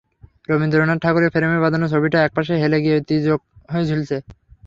রবীন্দ্রনাথ ঠাকুরের ফ্রেমে বাঁধানো ছবিটা একপাশে হেলে গিয়ে তির্যক হয়ে ঝুলছে।